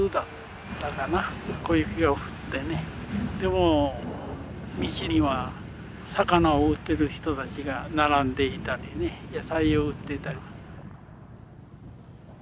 でも道には魚を売ってる人たちが並んでいたりね野菜を売ってたり。